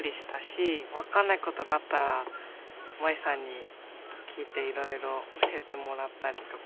分かんないことがあったらまりさんに聞いていろいろ教えてもらったりとか。